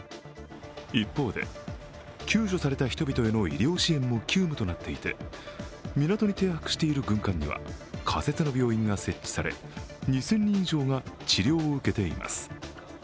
一方で、救助された人々への医療支援も急務となっていて港に停泊している軍艦には仮設の病院が設置され、２０００人以上が治療を受けています。